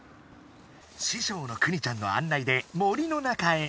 師匠のくにちゃんの案内で森の中へ。